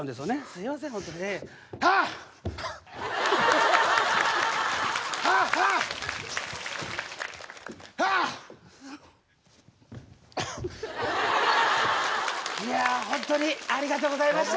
いやホントにありがとうございました。